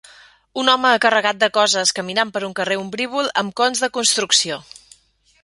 Un home carregat de coses caminant per un carrer ombrívol amb cons de construcció.